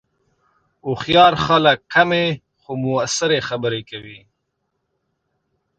هوښیار خلک کمې، خو مؤثرې خبرې کوي